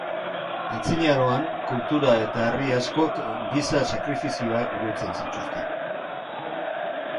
Antzinaroan kultura eta herri askok giza sakrifizioak burutzen zituzten.